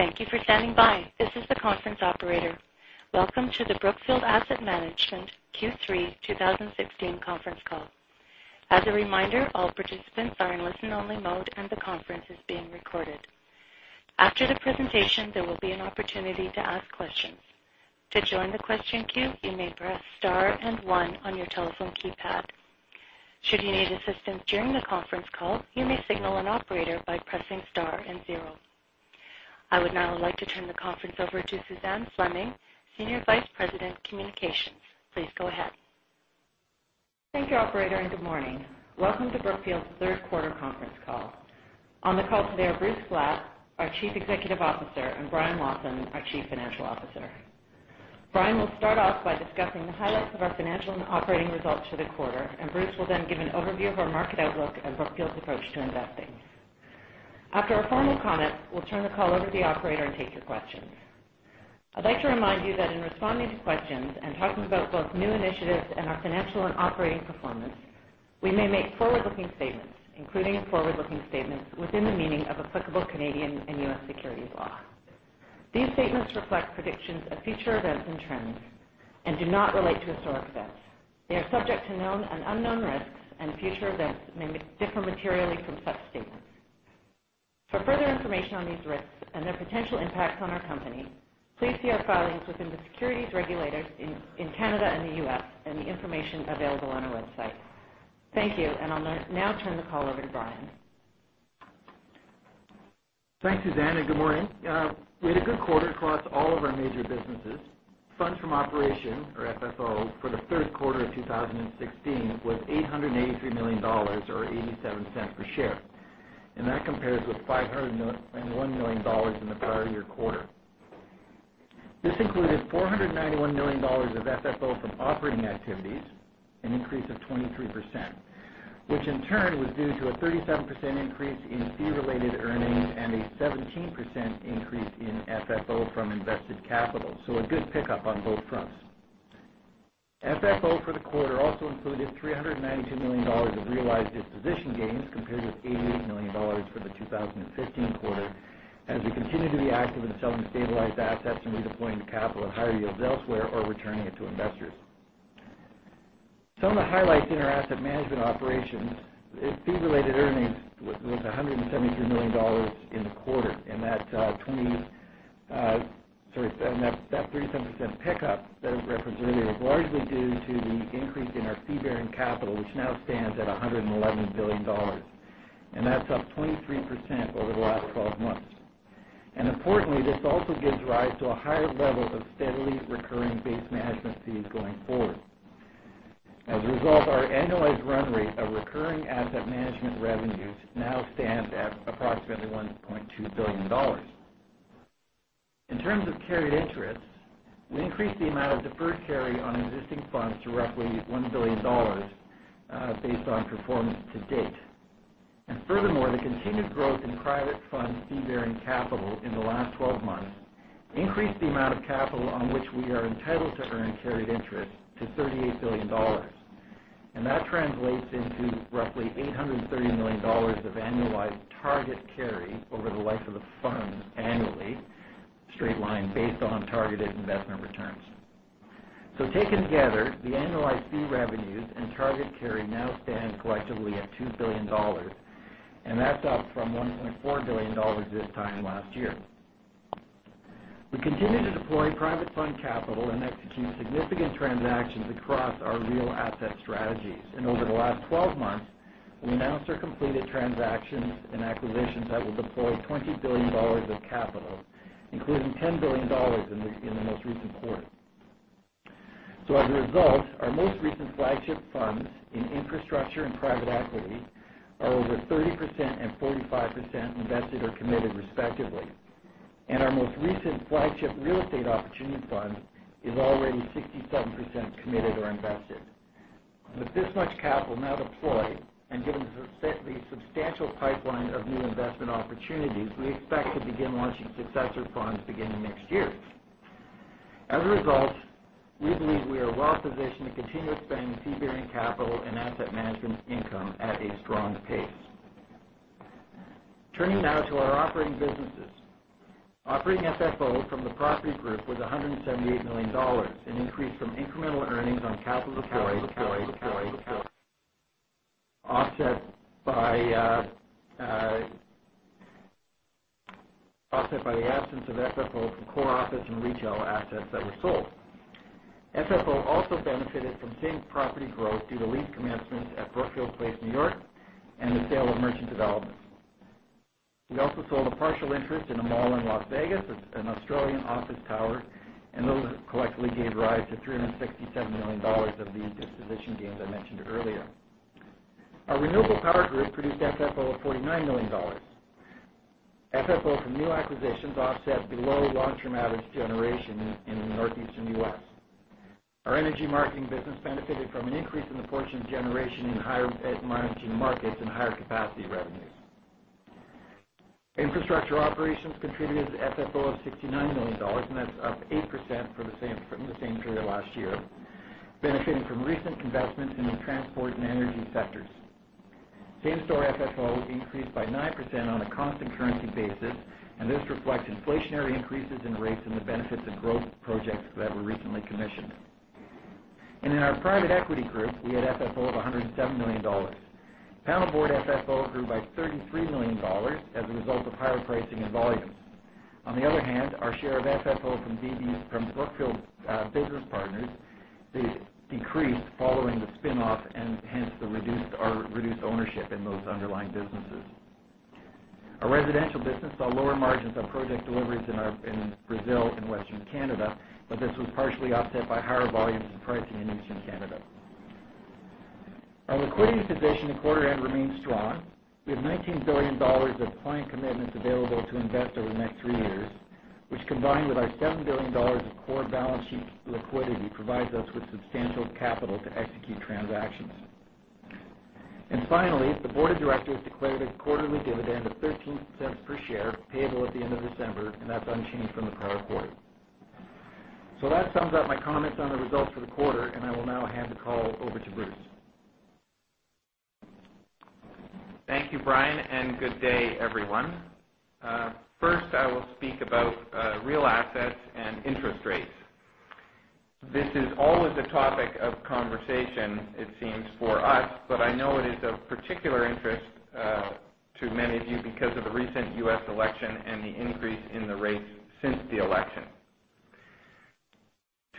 Thank you for standing by. This is the conference operator. Welcome to the Brookfield Asset Management Q3 2016 conference call. As a reminder, all participants are in listen-only mode, and the conference is being recorded. After the presentation, there will be an opportunity to ask questions. To join the question queue, you may press star and one on your telephone keypad. Should you need assistance during the conference call, you may signal an operator by pressing star and zero. I would now like to turn the conference over to Suzanne Fleming, Senior Vice President, Communications. Please go ahead. Thank you, operator. Good morning. Welcome to Brookfield's third quarter conference call. On the call today are Bruce Flatt, our chief executive officer, and Brian Lawson, our chief financial officer. Brian will start off by discussing the highlights of our financial and operating results for the quarter. Bruce will then give an overview of our market outlook and Brookfield's approach to investing. After our final comments, we'll turn the call over to the operator and take your questions. I'd like to remind you that in responding to questions and talking about both new initiatives and our financial and operating performance, we may make forward-looking statements, including forward-looking statements within the meaning of applicable Canadian and U.S. securities law. These statements reflect predictions of future events and trends and do not relate to historic events. They are subject to known and unknown risks. Future events may differ materially from such statements. For further information on these risks and their potential impact on our company, please see our filings with the securities regulators in Canada and the U.S. and the information available on our website. Thank you. I'll now turn the call over to Brian. Thanks, Suzanne. Good morning. We had a good quarter across all of our major businesses. Funds from operation, or FFO, for the third quarter of 2016 was $883 million, or $0.87 per share. That compares with $501 million in the prior year quarter. This included $491 million of FFO from operating activities, an increase of 23%, which in turn was due to a 37% increase in fee-related earnings and a 17% increase in FFO from invested capital. A good pickup on both fronts. FFO for the quarter also included $392 million of realized disposition gains, compared with $88 million for the 2015 quarter, as we continue to be active in selling stabilized assets and redeploying the capital at higher yields elsewhere or returning it to investors. Some of the highlights in our asset management operations. Fee-related earnings was $173 million in the quarter. That 37% pickup that I referenced earlier was largely due to the increase in our fee-bearing capital, which now stands at $111 billion. That's up 23% over the last 12 months. Importantly, this also gives rise to a higher level of steadily recurring base management fees going forward. As a result, our annualized run rate of recurring asset management revenues now stands at approximately $1.2 billion. In terms of carried interest, we increased the amount of deferred carry on existing funds to roughly $1 billion, based on performance to date. Furthermore, the continued growth in private fund fee-bearing capital in the last 12 months increased the amount of capital on which we are entitled to earn carried interest to $38 billion. That translates into roughly $830 million of annualized target carry over the life of the funds annually, straight line based on targeted investment returns. Taken together, the annualized fee revenues and target carry now stand collectively at $2 billion. That's up from $1.4 billion this time last year. We continue to deploy private fund capital and execute significant transactions across our real asset strategies. Over the last 12 months, we announced or completed transactions and acquisitions that will deploy $20 billion of capital, including $10 billion in the most recent quarter. As a result, our most recent flagship funds in infrastructure and private equity are over 30% and 45% invested or committed, respectively. Our most recent flagship real estate opportunity fund is already 67% committed or invested. With this much capital now deployed and given the substantial pipeline of new investment opportunities, we expect to begin launching successor funds beginning next year. As a result, we believe we are well positioned to continue expanding fee-bearing capital and asset management income at a strong pace. Turning now to our operating businesses. Operating FFO from the property group was $178 million, an increase from incremental earnings on capital deployed offset by the absence of FFO from core office and retail assets that were sold. FFO also benefited from big property growth due to lease commencements at Brookfield Place New York and the sale of merchant developments. We also sold a partial interest in a mall in Las Vegas, an Australian office tower, and those collectively gave rise to $367 million of the disposition gains I mentioned earlier. Our renewable power group produced FFO of $49 million. FFO from new acquisitions offset below long-term average generation in the Northeastern U.S. Our energy marketing business benefited from an increase in the portion of generation in higher margin markets and higher capacity revenues. Infrastructure operations contributed FFO of $69 million. That's up 8% from the same period last year, benefiting from recent investments in the transport and energy sectors. Same-store FFO increased by 9% on a constant currency basis. This reflects inflationary increases in rates and the benefits of growth projects that were recently commissioned. In our private equity group, we had FFO of $107 million. Panelboard FFO grew by $33 million as a result of higher pricing and volumes. On the other hand, our share of FFO from Brookfield Business Partners decreased following the spin-off, hence the reduced ownership in those underlying businesses. Our residential business saw lower margins on project deliveries in Brazil and Western Canada, but this was partially offset by higher volumes and pricing in Eastern Canada. Our liquidity position at quarter end remains strong. We have $19 billion of client commitments available to invest over the next three years, which, combined with our $7 billion of core balance sheet liquidity, provides us with substantial capital to execute transactions. Finally, the board of directors declared a quarterly dividend of $0.13 per share, payable at the end of December, that's unchanged from the prior quarter. That sums up my comments on the results for the quarter, and I will now hand the call over to Bruce. Thank you, Brian, and good day, everyone. First, I will speak about real assets and interest rates. This is always a topic of conversation, it seems, for us, but I know it is of particular interest to many of you because of the recent U.S. election and the increase in the rates since the election.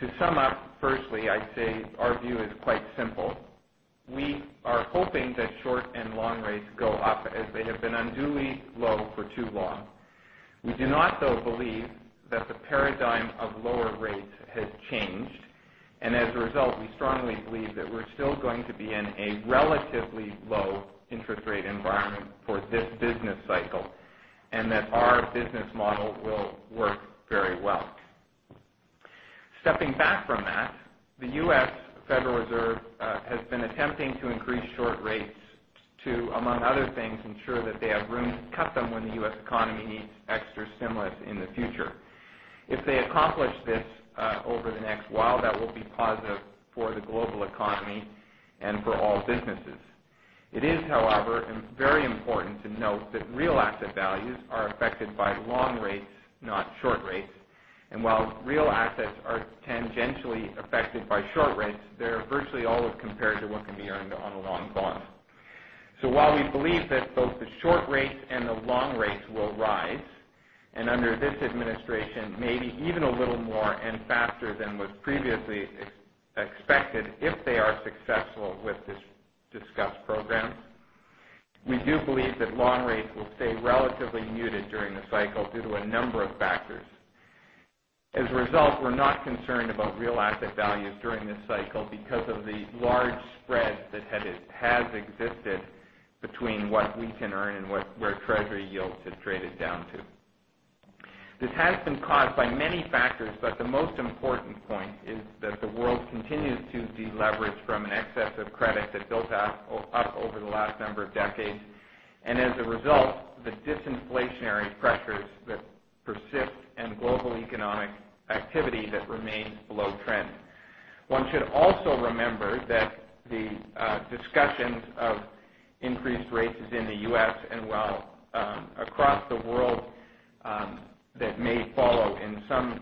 To sum up, firstly, I'd say our view is quite simple. We are hoping that short and long rates go up as they have been unduly low for too long. We do not, though, believe that the paradigm of lower rates has changed. As a result, we strongly believe that we're still going to be in a relatively low interest rate environment for this business cycle, and that our business model will work very well. Stepping back from that, the US Federal Reserve has been attempting to increase short rates to, among other things, ensure that they have room to cut them when the U.S. economy needs extra stimulus in the future. If they accomplish this over the next while, that will be positive for the global economy and for all businesses. It is, however, very important to note that real asset values are affected by long rates, not short rates. While real assets are tangentially affected by short rates, they are virtually always compared to what can be earned on a long bond. While we believe that both the short rates and the long rates will rise, and under this administration, maybe even a little more and faster than was previously expected, if they are successful with this discussed program, we do believe that long rates will stay relatively muted during the cycle due to a number of factors. As a result, we're not concerned about real asset values during this cycle because of the large spread that has existed between what we can earn and where treasury yields have traded down to. This has been caused by many factors, but the most important point is that the world continues to deleverage from an excess of credit that built up over the last number of decades, and as a result, the disinflationary pressures that persist and global economic activity that remains below trend. One should also remember that the discussions of increased rates in the U.S. and well across the world that may follow in some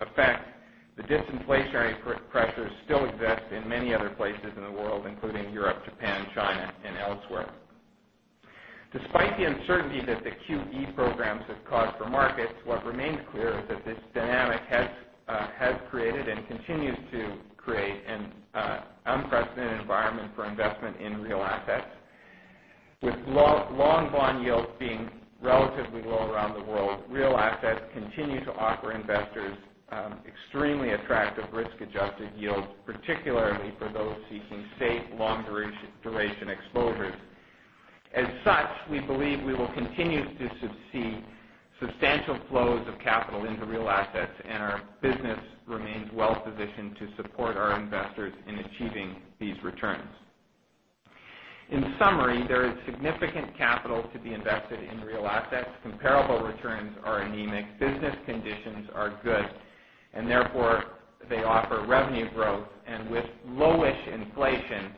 effect, the disinflationary pressures still exist in many other places in the world, including Europe, Japan, China, and elsewhere. Despite the uncertainty that the QE programs have caused for markets, what remains clear is that this dynamic has created and continues to create an unprecedented environment for investment in real assets. With long bond yields being relatively low around the world, real assets continue to offer investors extremely attractive risk-adjusted yields, particularly for those seeking safe, long-duration exposures. As such, we believe we will continue to see substantial flows of capital into real assets, and our business remains well-positioned to support our investors in achieving these returns. In summary, there is significant capital to be invested in real assets. Comparable returns are anemic. Business conditions are good, therefore they offer revenue growth. With low-ish inflation,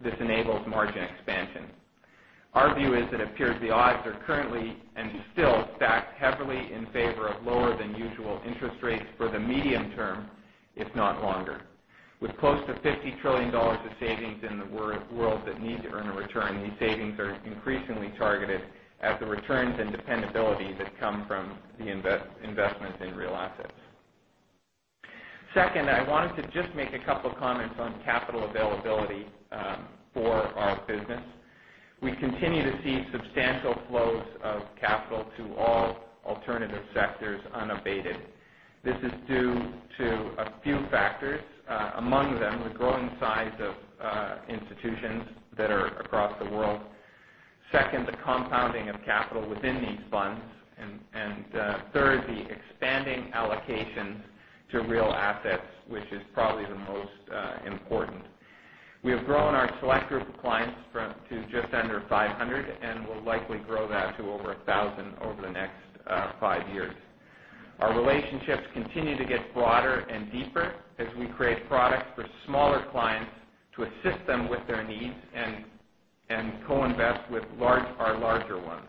this enables margin expansion. Our view is it appears the odds are currently and still stacked heavily in favor of lower than usual interest rates for the medium term, if not longer. With close to $50 trillion of savings in the world that need to earn a return, these savings are increasingly targeted at the returns and dependability that come from the investments in real assets. Second, I wanted to just make a couple comments on capital availability for our business. We continue to see substantial flows of capital to all alternative sectors unabated. This is due to a few factors. Among them, the growing size of institutions that are across the world. Second, the compounding of capital within these funds. Third, the expanding allocations to real assets, which is probably the most important. We have grown our select group of clients to just under 500, and we'll likely grow that to over 1,000 over the next five years. Our relationships continue to get broader and deeper as we create products for smaller clients to assist them with their needs and co-invest with our larger ones.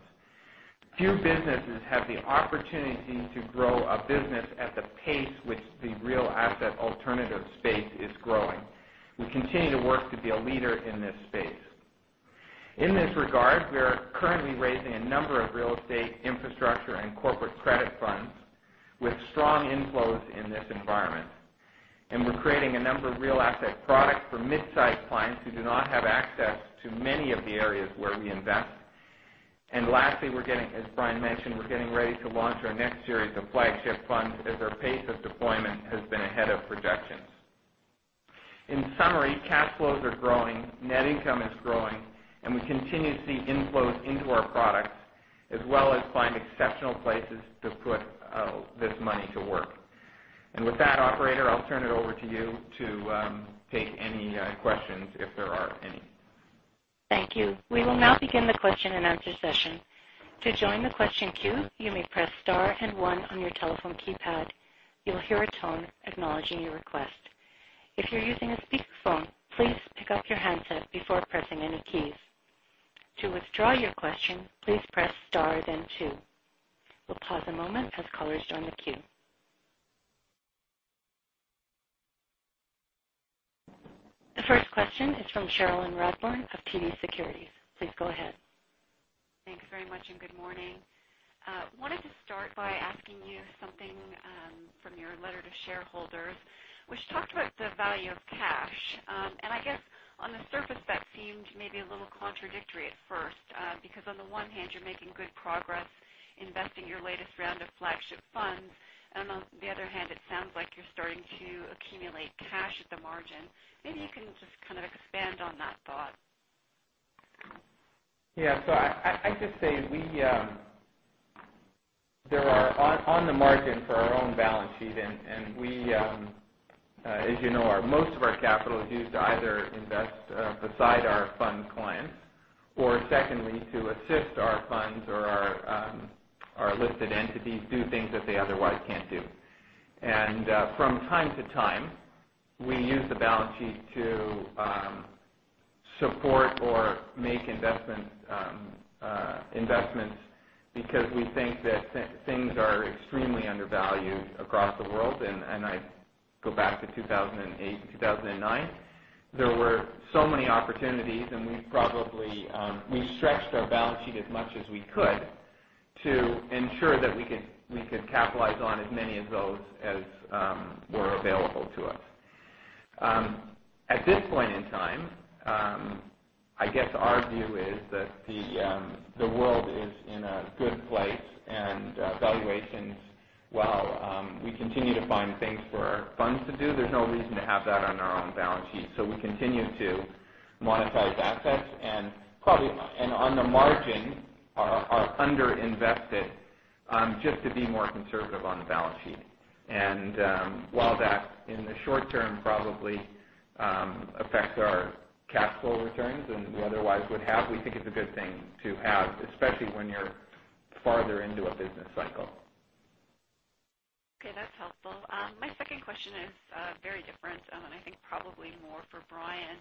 Few businesses have the opportunity to grow a business at the pace which the real asset alternative space is growing. We continue to work to be a leader in this space. In this regard, we are currently raising a number of real estate, infrastructure, and corporate credit funds with strong inflows in this environment. We're creating a number of real asset products for mid-size clients who do not have access to many of the areas where we invest. Lastly, as Brian mentioned, we're getting ready to launch our next series of flagship funds as our pace of deployment has been ahead of projections. In summary, cash flows are growing, net income is growing, we continue to see inflows into our products, as well as find exceptional places to put this money to work. With that, operator, I'll turn it over to you to take any questions if there are any. Thank you. We will now begin the question and answer session. To join the question queue, you may press star and one on your telephone keypad. You'll hear a tone acknowledging your request. If you're using a speakerphone, please pick up your handset before pressing any keys. To withdraw your question, please press star then two. We'll pause a moment as callers join the queue. The first question is from Cherilyn Radbourne of TD Securities. Please go ahead. Thanks very much, good morning. Wanted to start by asking you something from your letter to shareholders, which talked about the value of cash. I guess on the surface that seemed maybe a little contradictory at first, because on the one hand, you're making good progress investing your latest round of flagship funds. On the other hand, it sounds like you're starting to accumulate cash at the margin. Maybe you can just expand on that thought. Yeah. I just say, on the margin for our own balance sheet, as you know, most of our capital is used to either invest beside our fund clients or secondly, to assist our funds or our listed entities do things that they otherwise can't do. From time to time, we use the balance sheet to support or make investments because we think that things are extremely undervalued across the world. I go back to 2008 and 2009. There were so many opportunities, we stretched our balance sheet as much as we could to ensure that we could capitalize on as many of those as were available to us. At this point in time, I guess our view is that the world is in a good place, valuations, while we continue to find things for our funds to do, there's no reason to have that on our own balance sheet. We continue to monetize assets on the margin, are under-invested just to be more conservative on the balance sheet. While that, in the short term, probably affects our capital returns than we otherwise would have, we think it's a good thing to have, especially when you're farther into a business cycle. Okay. That's helpful. My second question is very different, and I think probably more for Brian.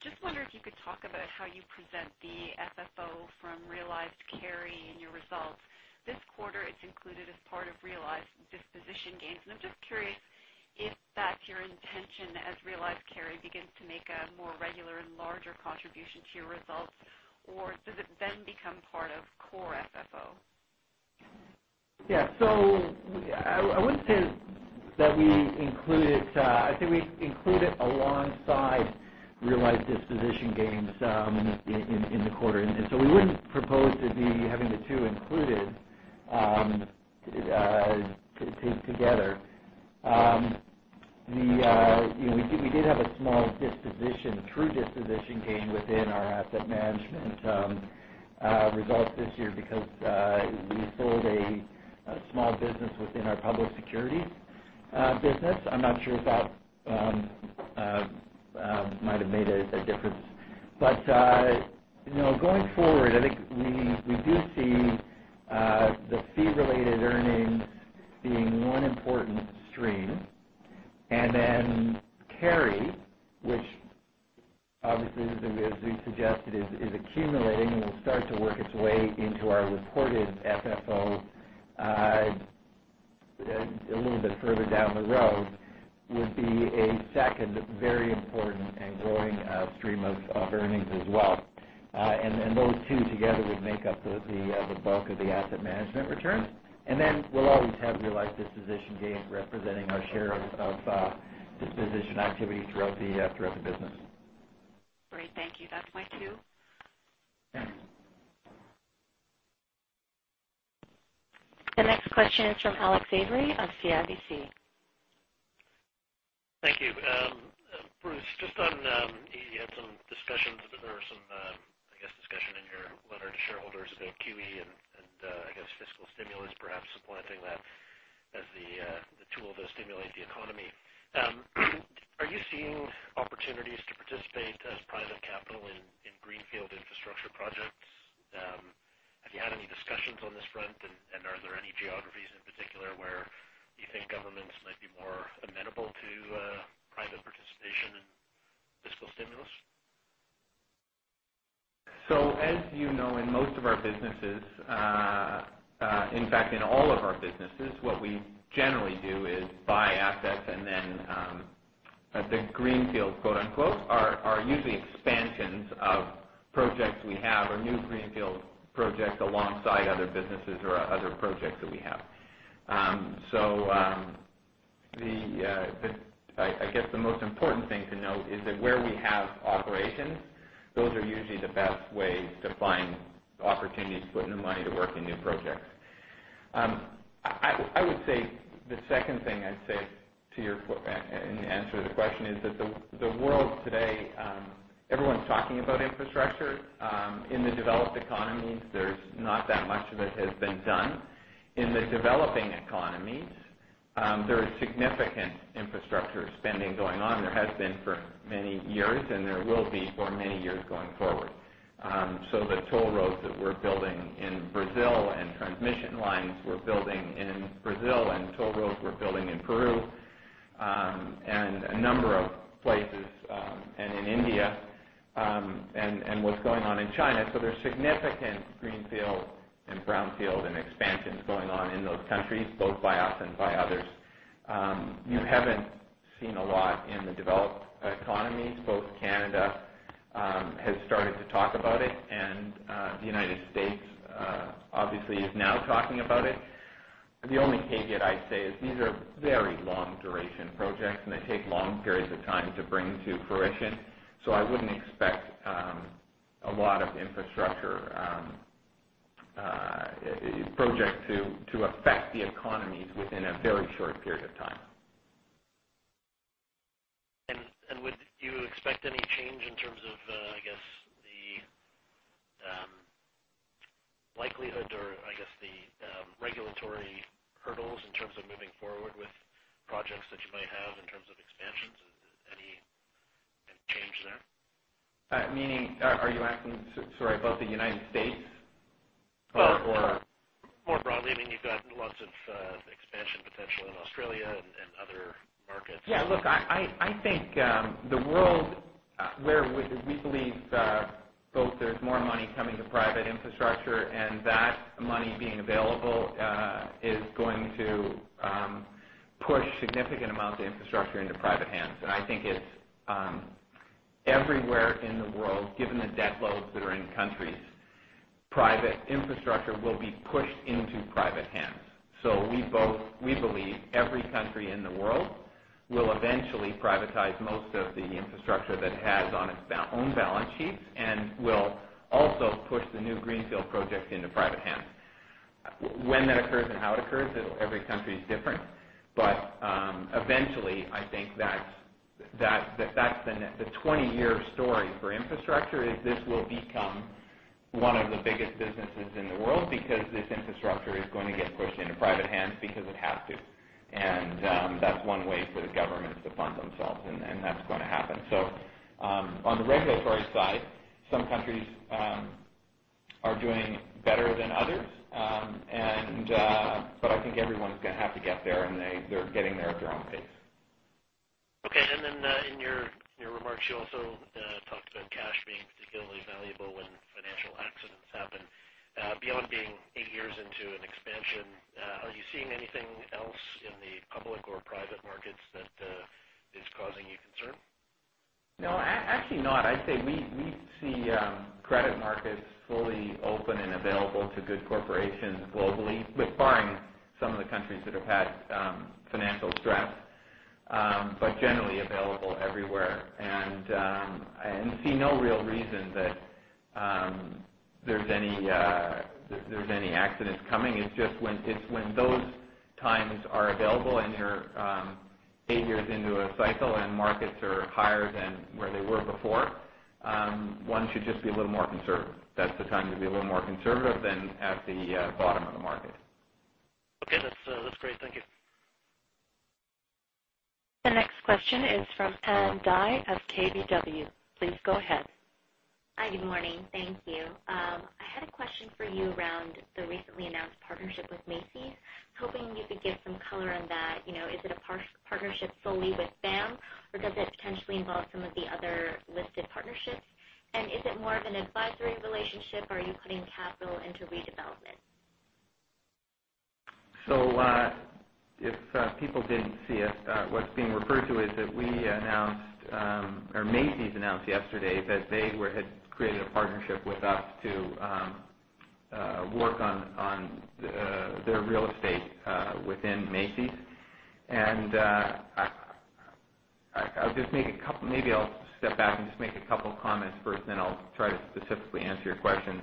Just wonder if you could talk about how you present the FFO from realized carry in your results. This quarter, it's included as part of realized disposition gains. I'm just curious if that's your intention as realized carry begins to make a more regular and larger contribution to your results, or does it then become part of core FFO? Yeah. I wouldn't say that we include it. I say we include it alongside realized disposition gains in the quarter. We wouldn't propose to be having the two included together. We did have a small disposition, a true disposition gain within our asset management results this year because we sold a small business within our public securities business. I'm not sure if that might have made a difference. Going forward, I think we do see the fee-related earnings being one important stream. Carry, which obviously as we suggested, is accumulating and will start to work its way into our reported FFO a little bit further down the road, would be a second very important and growing stream of earnings as well. Those two together would make up the bulk of the asset management returns. We'll always have realized disposition gains representing our share of disposition activity throughout the business. Great. Thank you. That's my two. Yeah. The next question is from Alex Avery of CIBC. Thank you. Bruce, you had some discussions, or there was some discussion in your letter to shareholders about QE and I guess fiscal stimulus perhaps supplanting that as the tool to stimulate the economy. Are you seeing opportunities to participate as private capital in greenfield infrastructure projects? Have you had any discussions on this front, and are there any geographies in particular where you think governments might be more amenable to private participation in fiscal stimulus? As you know, in most of our businesses, in fact, in all of our businesses, what we generally do is buy assets. Then the greenfield quote, unquote, are usually expansions of projects we have or new greenfield projects alongside other businesses or other projects that we have. I guess the most important thing to note is that where we have operations, those are usually the best ways to find opportunities to put new money to work in new projects. I would say the second thing in answer to the question is that the world today, everyone's talking about infrastructure. In the developed economies, there is not that much of it has been done. In the developing economies, there is significant infrastructure spending going on. There has been for many years, and there will be for many years going forward. The toll roads that we're building in Brazil and transmission lines we're building in Brazil and toll roads we're building in Peru, and a number of places, and in India, and what's going on in China. There is significant greenfield and brownfield and expansions going on in those countries, both by us and by others. You haven't seen a lot in the developed economies. Both Canada has started to talk about it, and the U.S. obviously is now talking about it. The only caveat I say is these are very long duration projects, and they take long periods of time to bring to fruition. I wouldn't expect a lot of infrastructure projects to affect the economies within a very short period of time. Would you expect any change in terms of the likelihood or the regulatory hurdles in terms of moving forward with projects that you might have in terms of expansions? Any change there? Meaning, are you asking, sorry, about the United States or- More broadly. You've got lots of expansion potential in Australia and other markets. Yeah, look, I think the world where we believe both there's more money coming to private infrastructure and that money being available is going to push significant amounts of infrastructure into private hands. I think it's everywhere in the world, given the debt loads that are in countries, private infrastructure will be pushed into private hands. We believe every country in the world will eventually privatize most of the infrastructure that it has on its own balance sheets and will also push the new greenfield projects into private hands. When that occurs and how it occurs, every country is different. Eventually, I think that's the 20-year story for infrastructure, is this will become one of the biggest businesses in the world because this infrastructure is going to get pushed into private hands because it has to. That's one way for the governments to fund themselves, and that's going to happen. On the regulatory side, some countries are doing better than others. I think everyone's going to have to get there, and they're getting there at their own pace. Okay. In your remarks, you also talked about cash being particularly valuable when financial accidents happen. Beyond being eight years into an expansion, are you seeing anything else in the public or private markets that is causing you concern? No, actually not. I'd say we see credit markets fully open and available to good corporations globally, with barring some of the countries that have had financial stress, but generally available everywhere. I see no real reason that there's any accidents coming. It's just when those times are available and you're eight years into a cycle and markets are higher than where they were before, one should just be a little more conservative. That's the time to be a little more conservative than at the bottom of the market. Okay, that's great. Thank you. The next question is from Ann Dai of KBW. Please go ahead. Hi, good morning. Thank you. I had a question for you around the recently announced partnership with Macy's. Hoping you could give some color on that. Is it a partnership solely with them, or does it potentially involve some of the other listed partnerships? Is it more of an advisory relationship, or are you putting capital into redevelopment? If people didn't see it, what's being referred to is that we announced, or Macy's announced yesterday that they had created a partnership with us to work on their real estate within Macy's. Maybe I'll step back and just make a couple comments first, then I'll try to specifically answer your questions.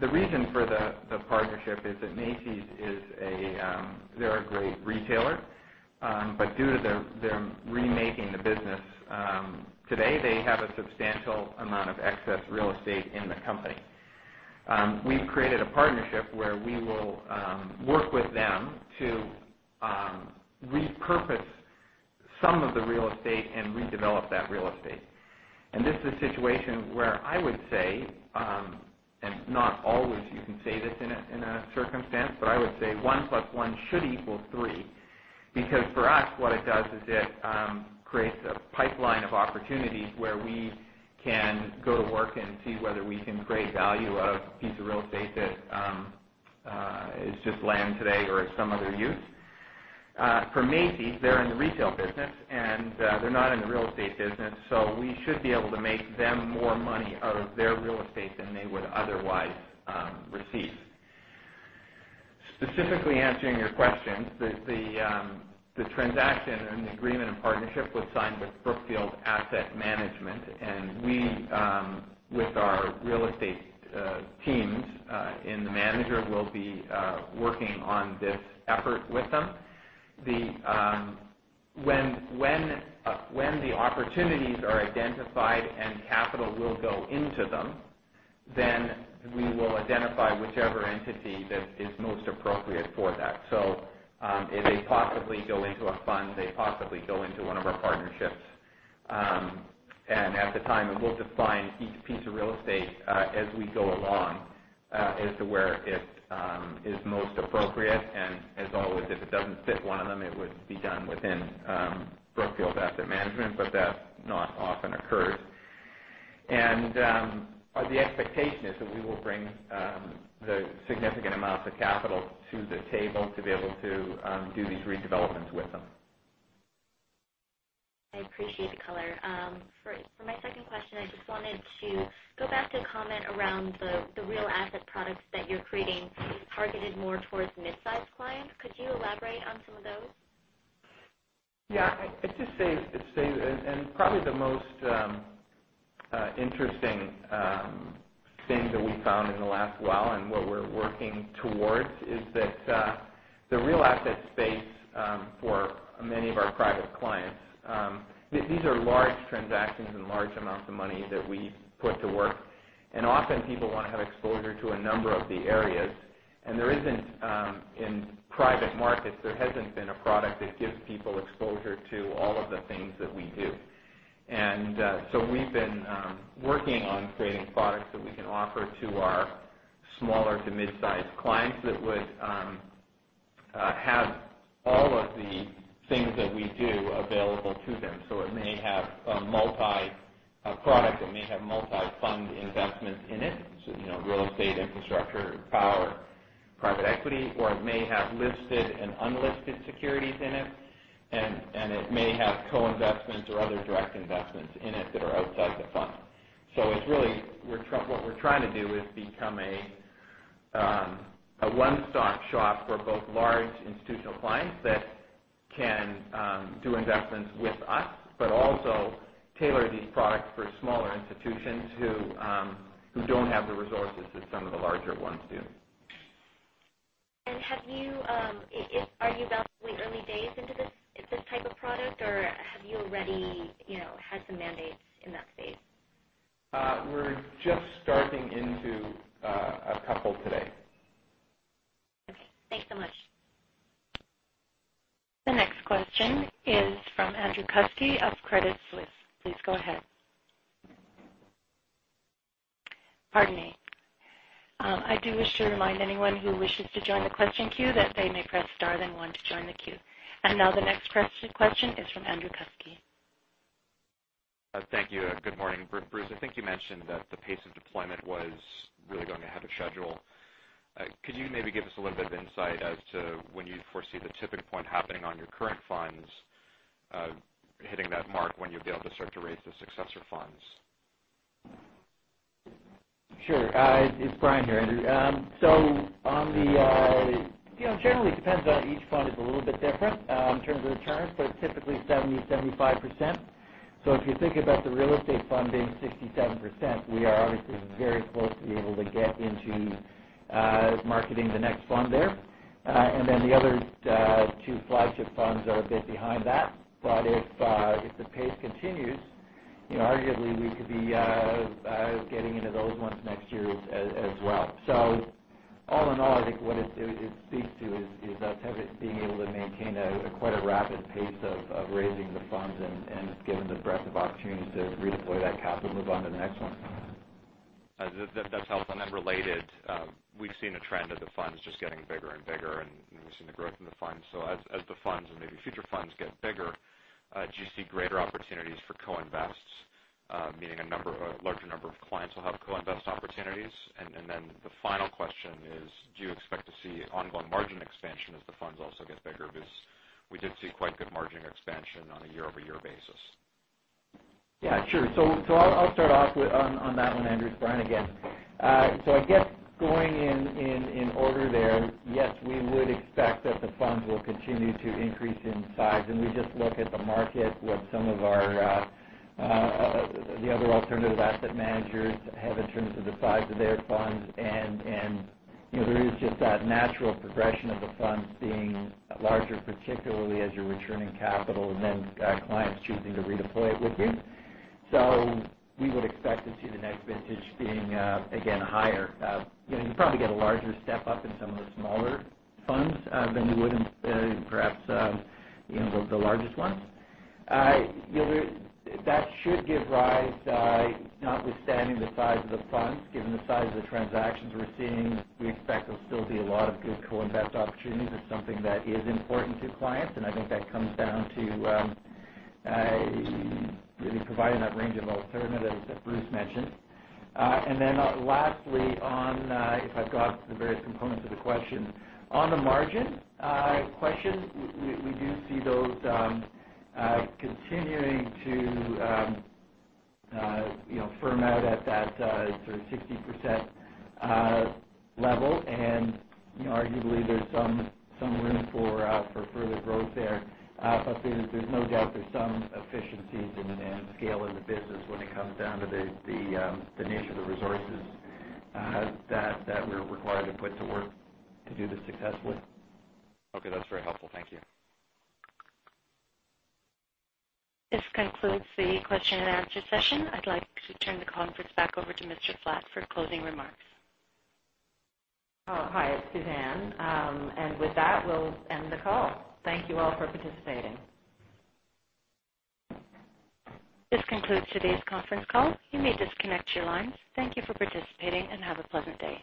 The reason for the partnership is that Macy's is a great retailer. Due to their remaking the business today, they have a substantial amount of excess real estate in the company. We've created a partnership where we will work with them to repurpose some of the real estate and redevelop that real estate. This is a situation where I would say, and not always you can say this in a circumstance, but I would say one plus one should equal three. Because for us, what it does is it creates a pipeline of opportunities where we can go to work and see whether we can create value of a piece of real estate that is just land today or has some other use. For Macy's, they're in the retail business, and they're not in the real estate business, so we should be able to make them more money out of their real estate than they would otherwise receive. Specifically answering your question, the transaction and the agreement and partnership was signed with Brookfield Asset Management, and we, with our real estate teams and the manager, will be working on this effort with them. When the opportunities are identified and capital will go into them, then we will identify whichever entity that is most appropriate for that. It may possibly go into a fund, may possibly go into one of our partnerships. At the time, we'll define each piece of real estate as we go along as to where it is most appropriate. As always, if it doesn't fit one of them, it would be done within Brookfield Asset Management, but that not often occurs. The expectation is that we will bring the significant amounts of capital to the table to be able to do these redevelopments with them. I appreciate the color. For my second question, I just wanted to go back to the comment around the real asset products that you're creating targeted more towards mid-size clients. Could you elaborate on some of those? Yeah. I'd just say, probably the most interesting thing that we found in the last while and what we're working towards is that the real asset space for many of our private clients, these are large transactions and large amounts of money that we put to work. Often people want to have exposure to a number of the areas. In private markets, there hasn't been a product that gives people exposure to all of the things that we do. We've been working on creating products that we can offer to our smaller to mid-size clients that would have all of the things that we do available to them. It may have a multi-product, it may have multi-fund investments in it, so real estate, infrastructure, power, private equity, or it may have listed and unlisted securities in it, and it may have co-investments or other direct investments in it that are outside the fund. What we're trying to do is become a one-stop shop for both large institutional clients that can do investments with us, but also tailor these products for smaller institutions who don't have the resources that some of the larger ones do. Are you about the early days into this type of product, or have you already had some mandates in that space? We're just starting into a couple today. Okay. Thanks so much. The next question is from Andrew Kuske of Credit Suisse. Please go ahead. Pardon me. I do wish to remind anyone who wishes to join the question queue that they may press star then one to join the queue. Now the next question is from Andrew Kuske. Thank you, and good morning, Bruce. I think you mentioned that the pace of deployment was really going ahead of schedule. Could you maybe give us a little bit of insight as to when you foresee the tipping point happening on your current funds hitting that mark when you'll be able to start to raise the successor funds? Sure. It's Brian here, Andrew. Generally, it depends on each fund is a little bit different in terms of returns, but typically 70%-75%. If you think about the real estate fund being 67%, we are obviously very close to being able to get into marketing the next fund there. The other two flagship funds are a bit behind that. If the pace continues, arguably we could be getting into those ones next year as well. All in all, I think what it speaks to is us being able to maintain quite a rapid pace of raising the funds and given the breadth of opportunities to redeploy that capital and move on to the next one. That's helpful. Related, we've seen a trend of the funds just getting bigger and bigger, and we've seen the growth in the funds. As the funds and maybe future funds get bigger, do you see greater opportunities for co-invest, meaning a larger number of clients will have co-invest opportunities? The final question is, do you expect to see ongoing margin expansion as the funds also get bigger? Because we did see quite good margin expansion on a year-over-year basis. Yeah, sure. I'll start off on that one, Andrew. It's Brian again. I guess going in order there, yes, we would expect that the funds will continue to increase in size. We just look at the market, what some of the other alternative asset managers have in terms of the size of their funds. There is just that natural progression of the funds being larger, particularly as you're returning capital and then clients choosing to redeploy it with you. We would expect to see the next vintage being, again, higher. You probably get a larger step up in some of the smaller funds than you would in perhaps the largest ones. That should give rise, notwithstanding the size of the funds, given the size of the transactions we're seeing, we expect there'll still be a lot of good co-invest opportunities. It's something that is important to clients. I think that comes down to really providing that range of alternatives that Bruce mentioned. Lastly on, if I've got the various components of the question, on the margin question, we do see those continuing to firm out at that sort of 60% level. Arguably, there's some room for further growth there. There's no doubt there's some efficiencies and scale in the business when it comes down to the nature of the resources that we're required to put to work to do this successfully. Okay. That's very helpful. Thank you. This concludes the question and answer session. I'd like to turn the conference back over to Mr. Flatt for closing remarks. Hi. It's Suzanne. With that, we'll end the call. Thank you all for participating. This concludes today's conference call. You may disconnect your lines. Thank you for participating, and have a pleasant day.